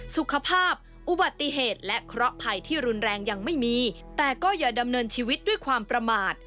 สุขภาพอุบัติเหตุและเคราะหภัยที่รุนแรงยังไม่มีแต่ก็อย่าดำเนินชีวิตด้วยความประมาท